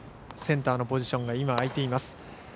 センターのポジションが今、空いています。